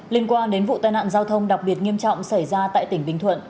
liên quan đến vụ tai nạn giao thông đặc biệt nghiêm trọng xảy ra tại tỉnh bình thuận